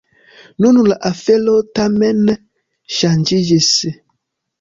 Nun la afero tamen ŝanĝiĝis.